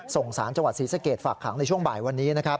ทรงสารจังหวัดศรีสะเกตฝักหางในช่วงบ่ายวันนี้